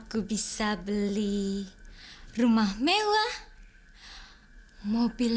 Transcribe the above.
temen tuh pak buat casting